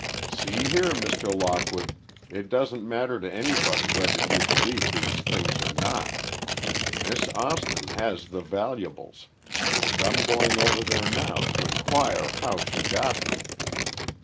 "See here, Mr. Lockwood, it doesn't matter to anybody whether you believe these things or not. Miss Austin has the valuables, and I'm going over there now to inquire how she got them.